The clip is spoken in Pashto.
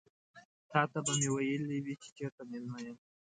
تاته به مې ويلي وي چې چيرته مېلمه یم.